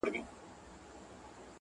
کتابونو کي راغلې دا کيسه ده٫